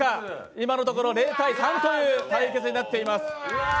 今のところ０−３という対決になっています。